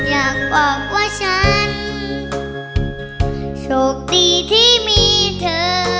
อยากบอกว่าฉันโชคดีที่มีเธอ